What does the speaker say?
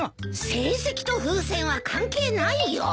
成績と風船は関係ないよ。